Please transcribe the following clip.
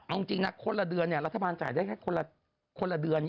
เอาจริงนะคนละเดือนเนี่ยรัฐบาลจ่ายได้แค่คนละเดือน